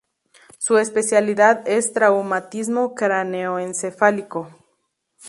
Su especialidad es traumatismo craneoencefálico.